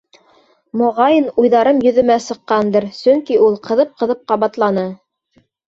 Моғайын, уйҙарым йөҙөмә сыҡҡандыр, сөнки ул ҡыҙып-ҡыҙып ҡабатланы: